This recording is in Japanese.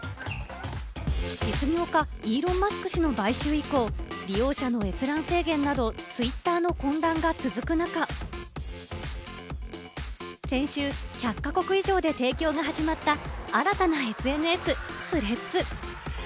実業家イーロン・マスク氏の買収以降、利用者の閲覧制限などツイッターの混乱が続く中、先週、１００か国以上で提供が始まった新たなＳＮＳ・スレッズ。